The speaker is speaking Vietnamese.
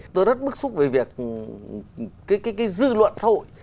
tôi rất bức xúc về việc cái dư luận xã hội